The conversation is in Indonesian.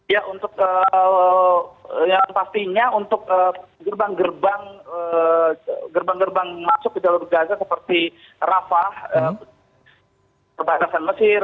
ya untuk yang pastinya untuk gerbang gerbang gerbang masuk ke jalur gaza seperti arafah perbatasan mesir